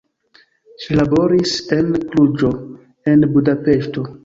Ŝi laboris en Kluĵo, en Budapeŝto.